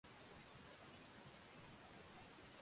wameshushia tuhuma nzito jeshi la nchi hiyo kwa kitendo